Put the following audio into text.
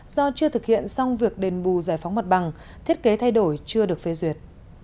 do chưa thực hiện xong việc đền bù giải phóng mặt bằng thiết kế thay đổi chưa được phê duyệt